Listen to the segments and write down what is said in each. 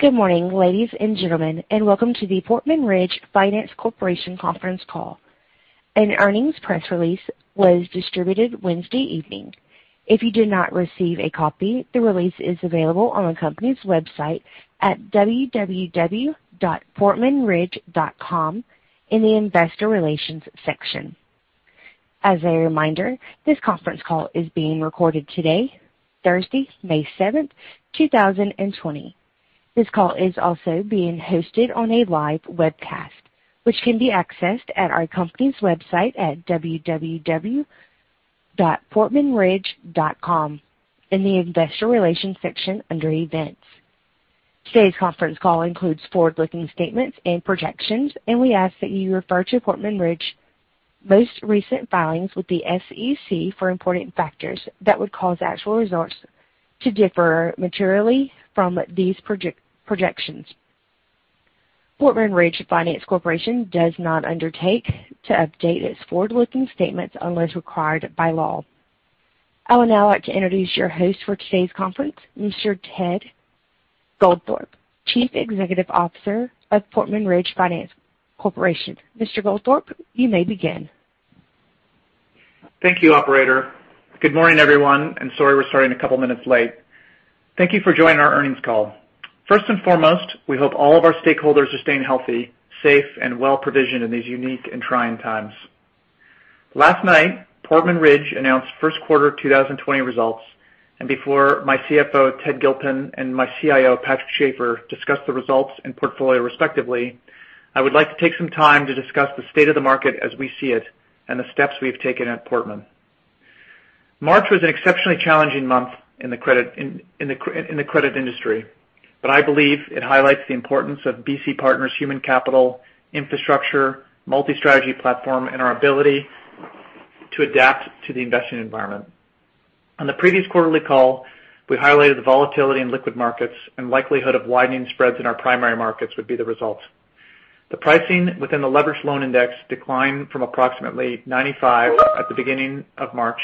Good morning, ladies and gentlemen, and welcome to the Portman Ridge Finance Corporation conference call. An earnings press release was distributed Wednesday evening. If you did not receive a copy, the release is available on the company's website at www.portmanridge.com in the Investor Relations section. As a reminder, this conference call is being recorded today, Thursday, May 7th, 2020. This call is also being hosted on a live webcast, which can be accessed at our company's website at www.portmanridge.com in the Investor Relations section under Events. Today's conference call includes forward-looking statements and projections, and we ask that you refer to Portman Ridge's most recent filings with the SEC for important factors that would cause actual results to differ materially from these projections. Portman Ridge Finance Corporation does not undertake to update its forward-looking statements unless required by law. I would now like to introduce your host for today's conference, Mr. Ted Goldthorpe, Chief Executive Officer of Portman Ridge Finance Corporation. Mr. Goldthorpe, you may begin. Thank you, Operator. Good morning, everyone, and sorry we're starting a couple of minutes late. Thank you for joining our earnings call. First and foremost, we hope all of our stakeholders are staying healthy, safe, and well-provisioned in these unique and trying times. Last night, Portman Ridge announced first quarter 2020 results, and before my CFO, Ted Gilpin, and my CIO, Patrick Schafer, discuss the results and portfolio respectively, I would like to take some time to discuss the state of the market as we see it and the steps we've taken at Portman. March was an exceptionally challenging month in the credit industry, but I believe it highlights the importance of BC Partners' human capital, infrastructure, multi-strategy platform, and our ability to adapt to the investing environment. On the previous quarterly call, we highlighted the volatility in liquid markets and the likelihood of widening spreads in our primary markets would be the result. The pricing within the leveraged loan index declined from approximately 95 at the beginning of March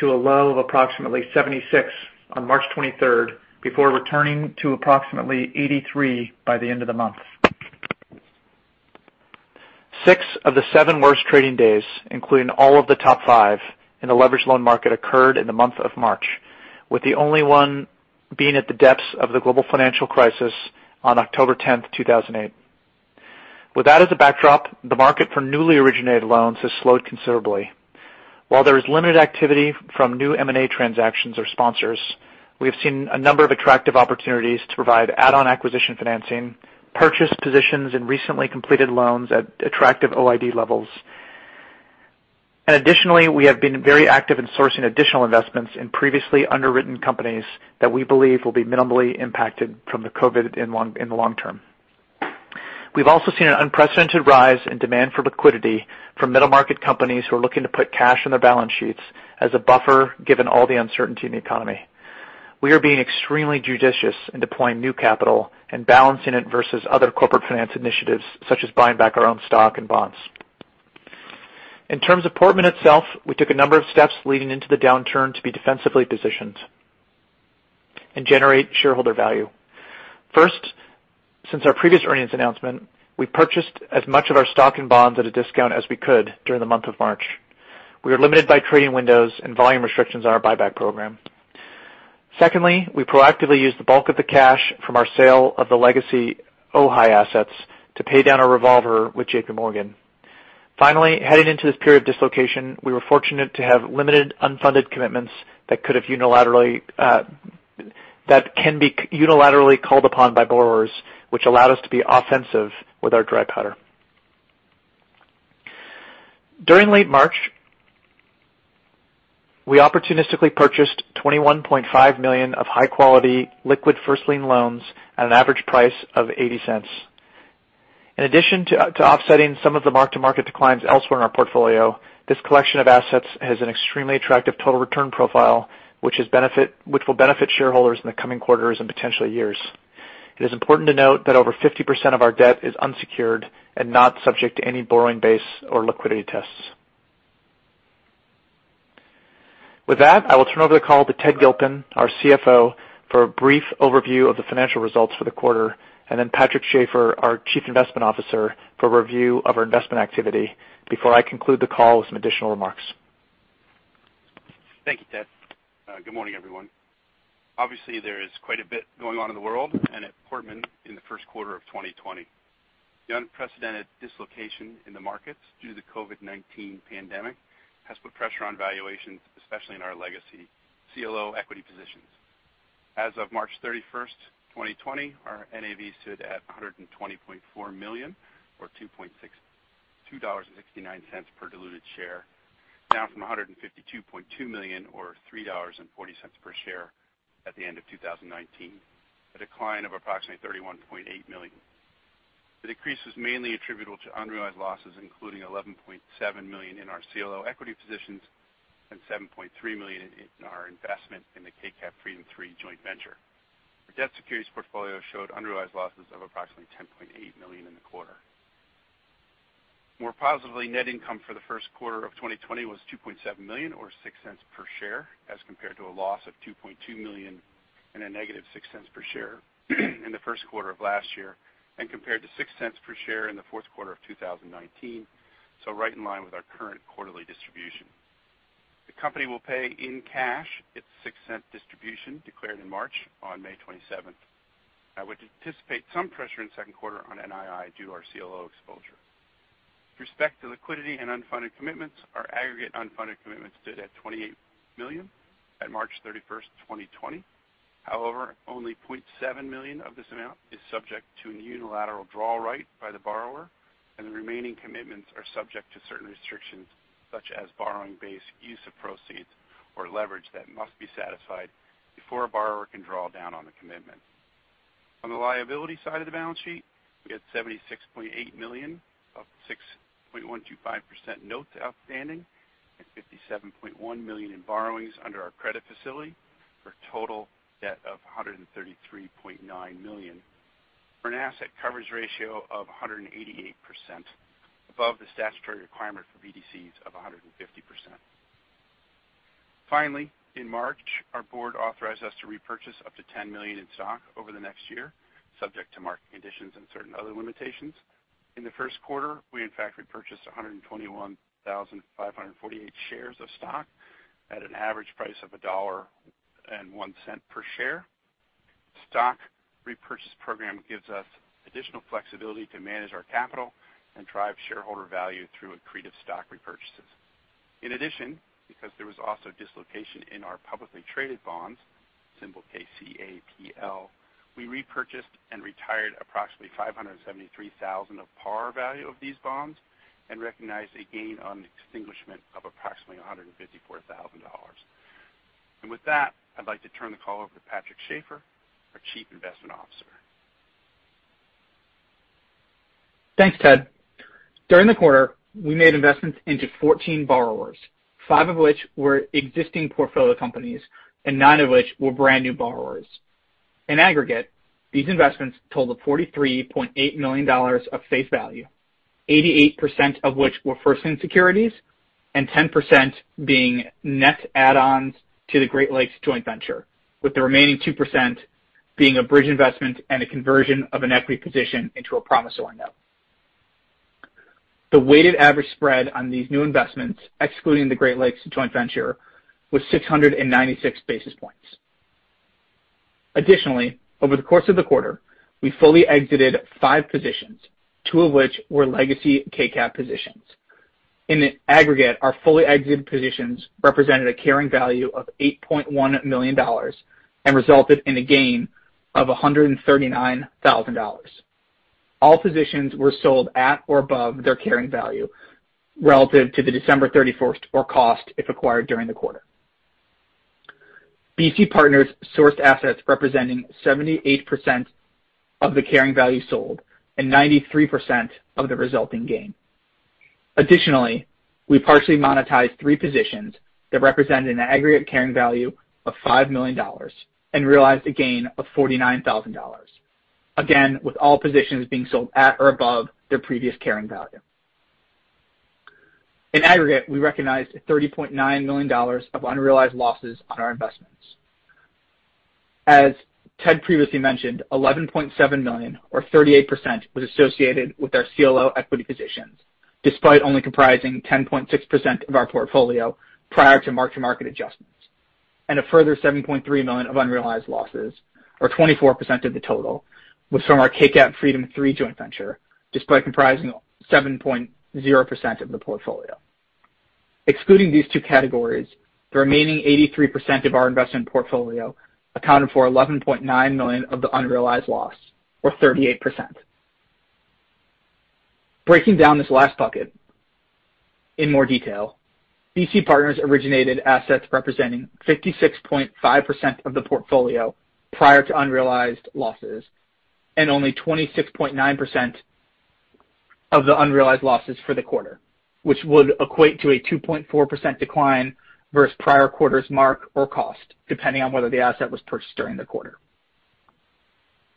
to a low of approximately 76 on March 23rd before returning to approximately 83 by the end of the month. Six of the seven worst trading days, including all of the top five in the leveraged loan market, occurred in the month of March, with the only one being at the depths of the global financial crisis on October 10th, 2008. With that as a backdrop, the market for newly originated loans has slowed considerably. While there is limited activity from new M&A transactions or sponsors, we have seen a number of attractive opportunities to provide add-on acquisition financing, purchase positions, and recently completed loans at attractive OID levels. Additionally, we have been very active in sourcing additional investments in previously underwritten companies that we believe will be minimally impacted from the COVID in the long term. We've also seen an unprecedented rise in demand for liquidity from middle-market companies who are looking to put cash on their balance sheets as a buffer given all the uncertainty in the economy. We are being extremely judicious in deploying new capital and balancing it versus other corporate finance initiatives such as buying back our own stock and bonds. In terms of Portman itself, we took a number of steps leading into the downturn to be defensively positioned and generate shareholder value. First, since our previous earnings announcement, we purchased as much of our stock and bonds at a discount as we could during the month of March. We were limited by trading windows and volume restrictions on our buyback program. Secondly, we proactively used the bulk of the cash from our sale of the legacy OHAI assets to pay down our revolver with JPMorgan. Finally, heading into this period of dislocation, we were fortunate to have limited unfunded commitments that can be unilaterally called upon by borrowers, which allowed us to be offensive with our dry powder. During late March, we opportunistically purchased $21.5 million of high-quality liquid first-lien loans at an average price of $0.80. In addition to offsetting some of the mark-to-market declines elsewhere in our portfolio, this collection of assets has an extremely attractive total return profile, which will benefit shareholders in the coming quarters and potentially years. It is important to note that over 50% of our debt is unsecured and not subject to any borrowing base or liquidity tests. With that, I will turn over the call to Ted Gilpin, our CFO, for a brief overview of the financial results for the quarter, and then Patrick Schafer, our Chief Investment Officer, for a review of our investment activity before I conclude the call with some additional remarks. Thank you, Ted. Good morning, everyone. Obviously, there is quite a bit going on in the world and at Portman in the first quarter of 2020. The unprecedented dislocation in the markets due to the COVID-19 pandemic has put pressure on valuations, especially in our legacy CLO equity positions. As of March 31st, 2020, our NAV stood at $120.4 million, or $2.69 per diluted share, down from $152.2 million, or $3.40 per share at the end of 2019, a decline of approximately $31.8 million. The decrease was mainly attributable to unrealized losses, including $11.7 million in our CLO equity positions and $7.3 million in our investment in the KCAP Freedom 3 joint venture. Our debt securities portfolio showed unrealized losses of approximately $10.8 million in the quarter. More positively, net income for the first quarter of 2020 was $2.7 million, or $0.06 per share, as compared to a loss of $2.2 million and a -$0.06 per share in the first quarter of last year and compared to $0.06 per share in the fourth quarter of 2019, so right in line with our current quarterly distribution. The company will pay in cash its $0.06 distribution declared in March on May 27th. I would anticipate some pressure in the second quarter on NII due to our CLO exposure. With respect to liquidity and unfunded commitments, our aggregate unfunded commitments stood at $28 million at March 31st, 2020. However, only $0.7 million of this amount is subject to a unilateral draw right by the borrower, and the remaining commitments are subject to certain restrictions such as borrowing base use of proceeds or leverage that must be satisfied before a borrower can draw down on the commitment. On the liability side of the balance sheet, we had $76.8 million of 6.125% notes outstanding and $57.1 million in borrowings under our credit facility for a total debt of $133.9 million for an asset coverage ratio of 188%, above the statutory requirement for BDCs of 150%. Finally, in March, our board authorized us to repurchase up to $10 million in stock over the next year, subject to market conditions and certain other limitations. In the first quarter, we, in fact, repurchased 121,548 shares of stock at an average price of $1.01 per share. The stock repurchase program gives us additional flexibility to manage our capital and drive shareholder value through accretive stock repurchases. In addition, because there was also dislocation in our publicly traded bonds, symbol KCAPL, we repurchased and retired approximately 573,000 of par value of these bonds and recognized a gain on extinguishment of approximately $154,000. And with that, I'd like to turn the call over to Patrick Schafer, our Chief Investment Officer. Thanks, Ted. During the quarter, we made investments into 14 borrowers, five of which were existing portfolio companies and nine of which were brand new borrowers. In aggregate, these investments totaled $43.8 million of face value, 88% of which were first-lien securities and 10% being net add-ons to the Great Lakes Joint Venture, with the remaining 2% being a bridge investment and a conversion of an equity position into a promissory note. The weighted average spread on these new investments, excluding the Great Lakes Joint Venture, was 696 basis points. Additionally, over the course of the quarter, we fully exited five positions, two of which were legacy KCAP positions. In aggregate, our fully exited positions represented a carrying value of $8.1 million and resulted in a gain of $139,000. All positions were sold at or above their carrying value relative to the December 31st or cost if acquired during the quarter. BC Partners sourced assets representing 78% of the carrying value sold and 93% of the resulting gain. Additionally, we partially monetized three positions that represented an aggregate carrying value of $5 million and realized a gain of $49,000, again with all positions being sold at or above their previous carrying value. In aggregate, we recognized $30.9 million of unrealized losses on our investments. As Ted previously mentioned, $11.7 million, or 38%, was associated with our CLO equity positions, despite only comprising 10.6% of our portfolio prior to mark-to-market adjustments, and a further $7.3 million of unrealized losses, or 24% of the total, was from our KCAP Freedom 3 joint venture, despite comprising 7.0% of the portfolio. Excluding these two categories, the remaining 83% of our investment portfolio accounted for $11.9 million of the unrealized loss, or 38%. Breaking down this last bucket in more detail, BC Partners originated assets representing 56.5% of the portfolio prior to unrealized losses and only 26.9% of the unrealized losses for the quarter, which would equate to a 2.4% decline versus prior quarter's mark or cost, depending on whether the asset was purchased during the quarter.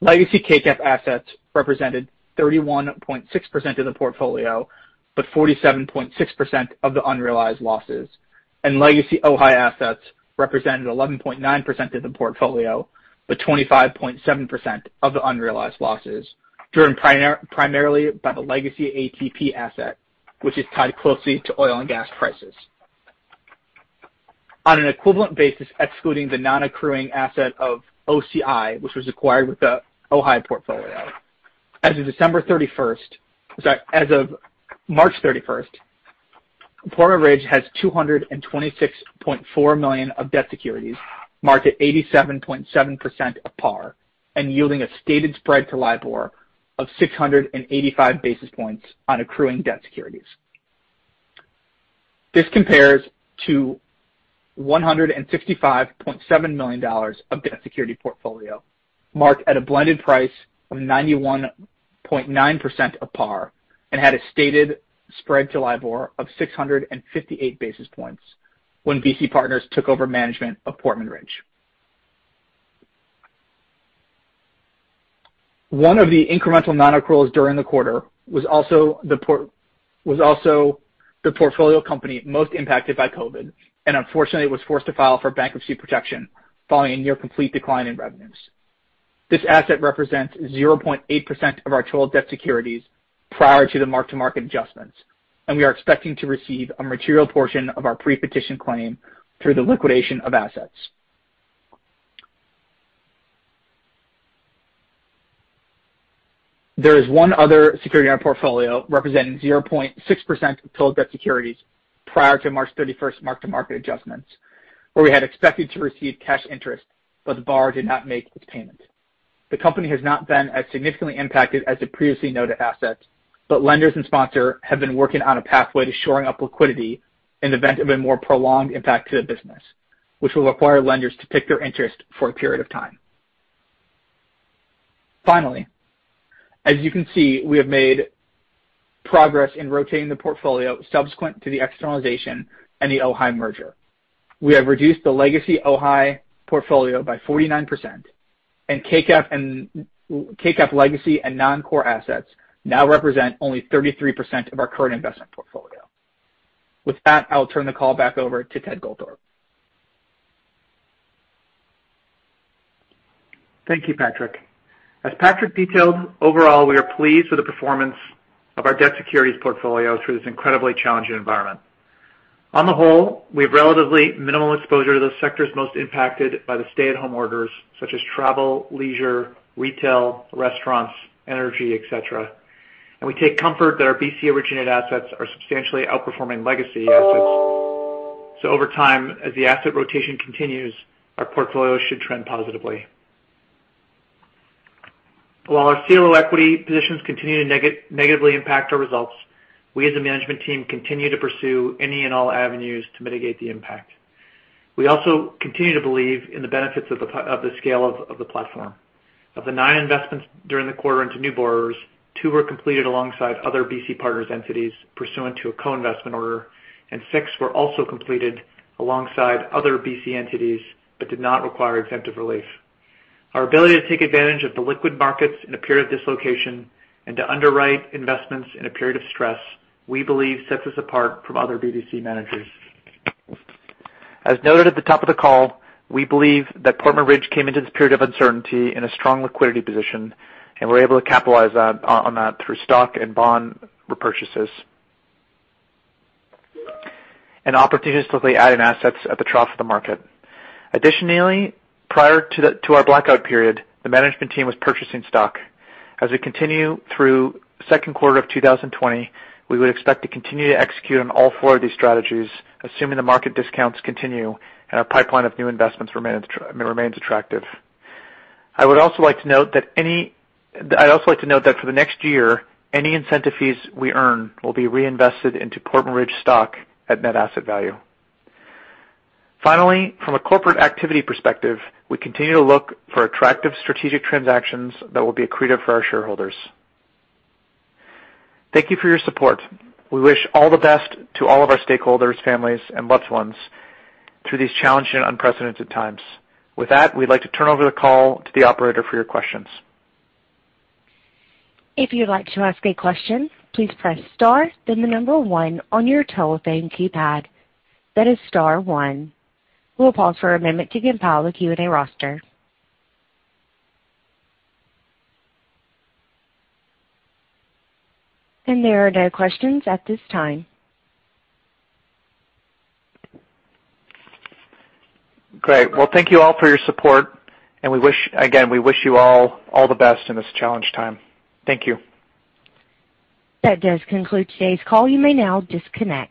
Legacy KCAP assets represented 31.6% of the portfolio but 47.6% of the unrealized losses, and legacy OHAI assets represented 11.9% of the portfolio but 25.7% of the unrealized losses, driven primarily by the legacy ATP asset, which is tied closely to oil and gas prices. On an equivalent basis, excluding the non-accruing asset of OCI, which was acquired with the OHAI portfolio, as of March 31st, Portman Ridge has $226.4 million of debt securities marked at 87.7% of par and yielding a stated spread to LIBOR of 685 basis points on accruing debt securities. This compares to $165.7 million of debt security portfolio marked at a blended price of 91.9% of par and had a stated spread to LIBOR of 658 basis points when BC Partners took over management of Portman Ridge. One of the incremental non-accruals during the quarter was also the portfolio company most impacted by COVID, and unfortunately, it was forced to file for bankruptcy protection following a near-complete decline in revenues. This asset represents 0.8% of our total debt securities prior to the mark-to-market adjustments, and we are expecting to receive a material portion of our pre-petition claim through the liquidation of assets. There is one other security in our portfolio representing 0.6% of total debt securities prior to March 31st mark-to-market adjustments, where we had expected to receive cash interest, but the borrower did not make its payment. The company has not been as significantly impacted as the previously noted asset, but lenders and sponsors have been working on a pathway to shoring up liquidity in the event of a more prolonged impact to the business, which will require lenders to take their interest for a period of time. Finally, as you can see, we have made progress in rotating the portfolio subsequent to the externalization and the OHAI merger. We have reduced the legacy OHAI portfolio by 49%, and KCAP legacy and non-core assets now represent only 33% of our current investment portfolio. With that, I will turn the call back over to Ted Goldthorpe. Thank you, Patrick. As Patrick detailed, overall, we are pleased with the performance of our debt securities portfolio through this incredibly challenging environment. On the whole, we have relatively minimal exposure to the sectors most impacted by the stay-at-home orders, such as travel, leisure, retail, restaurants, energy, etc., and we take comfort that our BC-originated assets are substantially outperforming legacy assets. So over time, as the asset rotation continues, our portfolio should trend positively. While our CLO equity positions continue to negatively impact our results, we as a management team continue to pursue any and all avenues to mitigate the impact. We also continue to believe in the benefits of the scale of the platform. Of the nine investments during the quarter into new borrowers, two were completed alongside other BC Partners entities pursuant to a co-investment order, and six were also completed alongside other BC entities but did not require exemptive relief. Our ability to take advantage of the liquid markets in a period of dislocation and to underwrite investments in a period of stress, we believe, sets us apart from other BDC managers. As noted at the top of the call, we believe that Portman Ridge came into this period of uncertainty in a strong liquidity position and were able to capitalize on that through stock and bond repurchases and opportunities to look at adding assets at the trough of the market. Additionally, prior to our blackout period, the management team was purchasing stock. As we continue through the second quarter of 2020, we would expect to continue to execute on all four of these strategies, assuming the market discounts continue and our pipeline of new investments remains attractive. I would also like to note that for the next year, any incentive fees we earn will be reinvested into Portman Ridge stock at net asset value. Finally, from a corporate activity perspective, we continue to look for attractive strategic transactions that will be accretive for our shareholders. Thank you for your support. We wish all the best to all of our stakeholders, families, and loved ones through these challenging and unprecedented times. With that, we'd like to turn over the call to the operator for your questions. If you'd like to ask a question, please press Star, then the number one on your telephone keypad. That is Star One. We'll pause for a moment to compile the Q&A roster, and there are no questions at this time. Great. Well, thank you all for your support, and, again, we wish you all the best in this challenging time. Thank you. That does conclude today's call. You may now disconnect.